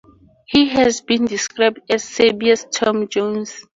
He has been described as "Serbia's Tom Jones".